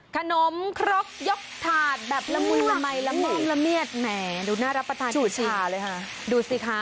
ขนมครกยกถาดแบบละมืดละไมละม่อมละเมียดแหมดูน่ารับประทานที่ชาเลยค่ะ